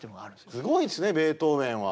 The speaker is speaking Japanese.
すごいですねベートーベンは。